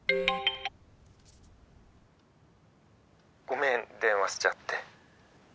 ごめん電話しちゃって。